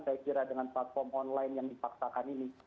saya kira dengan platform online yang dipaksakan ini